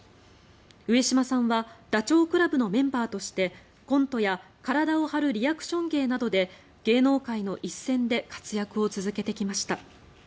上島さんはダチョウ倶楽部のメンバーとしてコントや体を張るリアクション芸などで芸能界の一線で活躍を続けてきました。